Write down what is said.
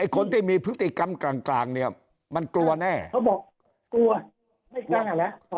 คนที่มีพฤติกรรมกลางเนี่ยมันกลัวแน่เขาบอกกลัวไม่กล้าแล้ว